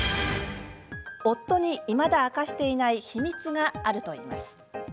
夫に、いまだ明かしていない秘密があるといいます。